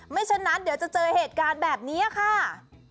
ฉะนั้นเดี๋ยวจะเจอเหตุการณ์แบบนี้ค่ะ